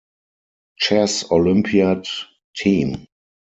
Chess Olympiad team.